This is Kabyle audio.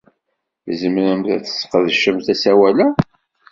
Tzemremt ad tesqedcemt asawal-a.